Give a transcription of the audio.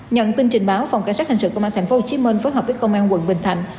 nhận tin trình báo phòng cảnh sát hình sự công an tp hcm phối hợp với công an quận bình thạnh